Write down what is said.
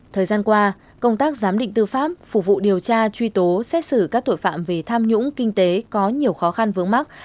thời gian qua công tác giám định tư pháp phục vụ điều tra truy tố xét xử các tội phạm về tham nhũng kinh tế có nhiều khó khăn vướng mắt